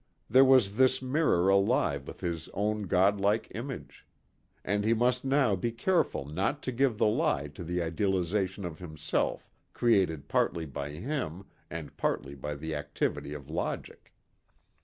There was this mirror alive with his own God like image. And he must now be careful not to give the lie to the idealization of himself created partly by him and partly by the activity of logic.